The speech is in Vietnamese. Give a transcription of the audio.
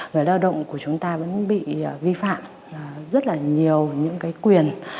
người lao động của chúng ta vẫn bị vi phạm rất là nhiều những cái quyền